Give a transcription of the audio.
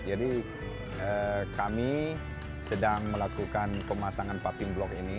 jadi kami sedang melakukan pemasangan papping block ini